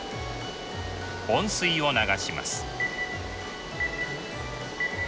温水を流します。